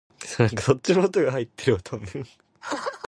Gale was born in Paddington, Sydney, New South Wales.